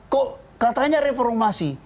kok katanya reformasi